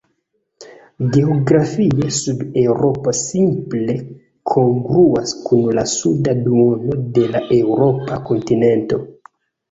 Geografie, Sud-Eŭropo simple kongruas kun la suda duono de la eŭropa kontinento.